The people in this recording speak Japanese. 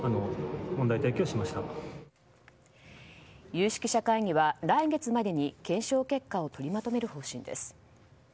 有識者会議は来月までに検証結果を取りまとめる方針です。